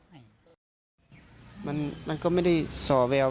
ถ้าจะไปก็ไปทั้งห้องด้วยกัน